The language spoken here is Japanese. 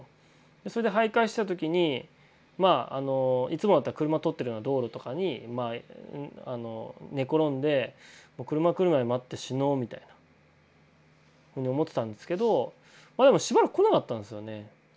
それで徘徊してた時にいつもだったら車通ってるような道路とかに寝転んで車来るまで待って死のうみたいな思ってたんですけどしばらく来なかったんですよね。